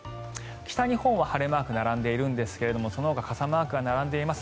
北日本は晴れマーク並んでいるんですがそのほか傘マークが並んでいます。